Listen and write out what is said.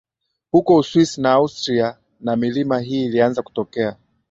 Huko Uswisi na Austria na milima hii ilianza kutokea